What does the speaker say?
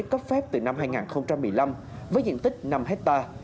cấp phép từ năm hai nghìn một mươi năm với diện tích năm hectare